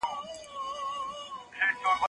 زه مخکي شګه پاکه کړې وه!.